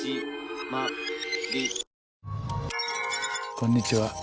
こんにちは。